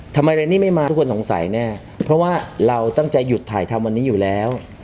ทำไมเรนนี่ไม่มาทุกคนสงสัยแน่เพราะว่าเราตั้งใจหยุดถ่ายทำวันนี้อยู่แล้ว